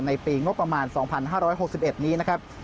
ในปีงบประมาณ๒๕๖๑นี้นะครับ